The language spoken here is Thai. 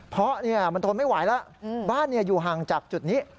เพราะมันทนไม่ไหวแล้วบ้านอยู่ห่างจากจุดนี้